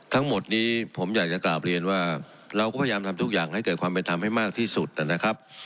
ทั้งหมดนี้ผมอยากจะกราบเรียนว่าเราก็พยายามทำทุกอย่างให้เกิดความเป็นธรรมให้มากที่สุดนะครับ